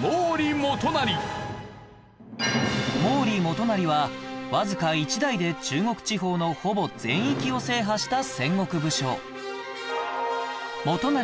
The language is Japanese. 毛利元就はわずか１代で中国地方のほぼ全域を制覇した戦国武将元就は